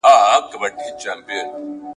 ټول سرونه به پراته وي پر څپړو ..